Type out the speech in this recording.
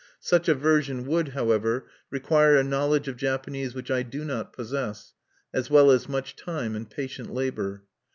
Such a version would, however, require a knowledge of Japanese which I do not possess, as well as much time and patient labor.